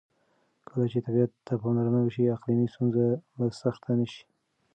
کله چې طبیعت ته پاملرنه وشي، اقلیمي ستونزې به سختې نه شي.